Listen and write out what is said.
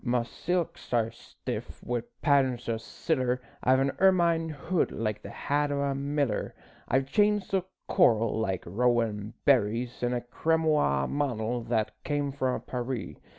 My silks are stiff wi' patterns o' siller, I've an ermine hood like the hat o' a miller, I've chains o' coral like rowan berries, An' a cramoisie mantle that cam' frae Paris.